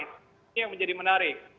ini yang menjadi menarik